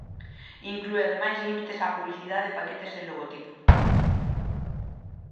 Inclúe ademais límites á publicidade e paquetes sen logotipo.